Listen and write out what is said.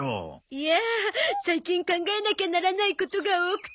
いや最近考えなきゃならないことが多くて。